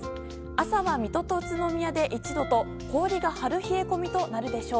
朝は水戸と宇都宮で１度と氷が張る冷え込みとなるでしょう。